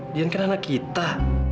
dian kan anak kita